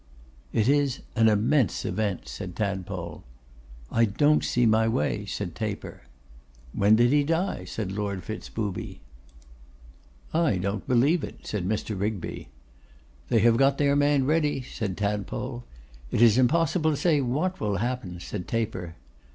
'It is an immense event,' said Tadpole. 'I don't see my way,' said Taper. 'When did he die?' said Lord Fitz Booby. 'I don't believe it,' said Mr. Rigby. 'They have got their man ready,' said Tadpole. 'It is impossible to say what will happen,' said Taper.